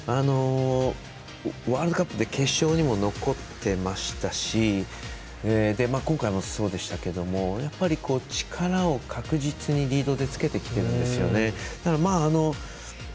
ワールドカップで決勝にも残ってましたし今回もそうでしたが力を確実に、リードでつけてきてるんですよね。